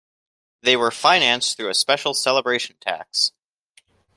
They were financed through a special celebration tax.